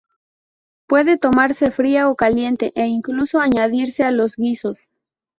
Puede tomarse fría o caliente, e incluso añadirse a los guisos.